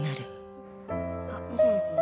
あっもしもし？